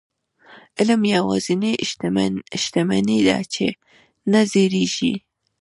علم یوازینۍ شتمني ده چې نه زړيږي.